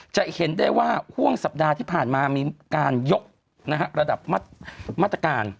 จะเห็นได้ว่าห่วงสัปดาห์ที่ผ่านมามีการยกระดับมาตรการ